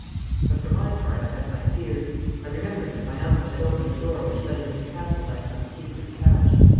But for my part I had my fears. I remembered that my uncle had opened the door which led into the castle by some secret catch.